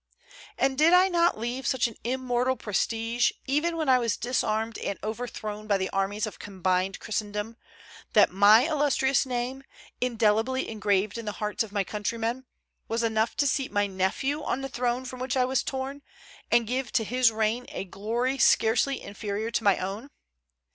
And did I not leave such an immortal prestige, even when I was disarmed and overthrown by the armies of combined Christendom, that my illustrious name, indelibly engraved in the hearts of my countrymen, was enough to seat my nephew on the throne from which I was torn, and give to his reign a glory scarcely inferior to my own?